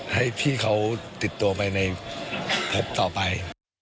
ให้พี่เขาติดตัวไปในพบต่อไป